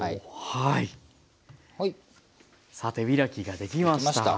さあ手開きができました。